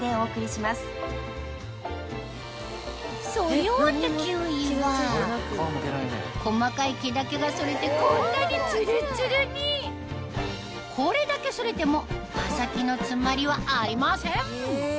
剃り終わったキウイは細かい毛だけが剃れてこんなにツルツルにこれだけ剃れても刃先の詰まりはありません